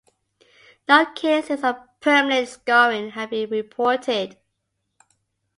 No cases of permanent scarring have been reported.